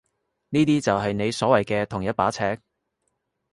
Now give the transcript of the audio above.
呢啲就係你所謂嘅同一把尺？